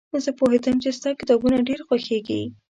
زه پوهېدم چې ستا کتابونه ډېر خوښېږي.